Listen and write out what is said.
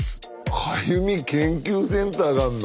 かゆみ研究センターがあるの？